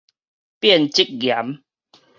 變質岩